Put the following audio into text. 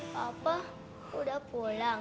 papa udah pulang